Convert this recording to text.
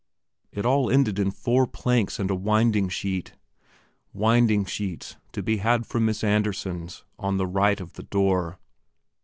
It all ended in four planks and a winding sheet. "Winding sheets to be had from Miss Andersen's, on the right of the door...."